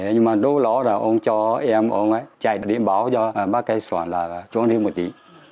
nhưng mà lúc đó là ông cho em ông ấy chạy đi báo cho bác cái sỏn là trốn đi một tí